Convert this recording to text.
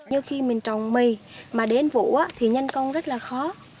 như khi mình trồng mì mà đến vụ thì nhân công rất là khó